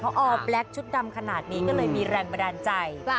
พอแบล็คชุดดำขนาดนี้ก็เลยมีแรงบันดาลใจ